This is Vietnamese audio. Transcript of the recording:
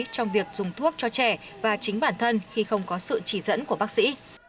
trong việc dùng thuốc cho trẻ và chính bản thân khi không có sự chỉ dẫn của bác sĩ